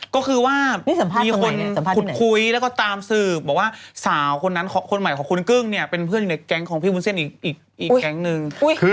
ก็คือว่ามีคนขุดคุยแล้วก็ตามสืบบอกว่าสาวคนนั้นคนใหม่ของคุณกึ้งเนี่ยเป็นเพื่อนอยู่ในแก๊งของพี่วุ้นเส้นอีกแก๊งนึง